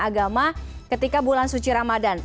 agama ketika bulan suci ramadan